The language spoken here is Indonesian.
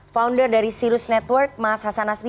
founder dari sirus network mas hasan nasmi